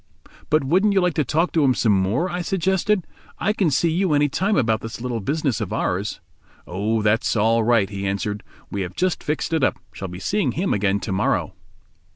"But wouldn't you like to talk to him some more?" I suggested; "I can see you any time about this little business of ours." "Oh, that's all right," he answered, "we have just fixed it up—shall be seeing him again to morrow."